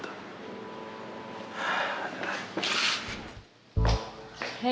ah ada lagi